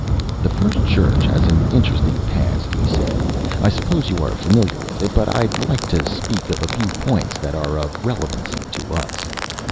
"The First Church has an interesting past," he said. "I suppose you are familiar with it, but I'd like to speak of a few points that are of relevancy to us.